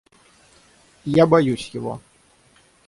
Я боюсь его.